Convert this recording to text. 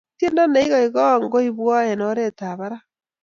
tiendo neikaikai koibwaa eng oret ap parak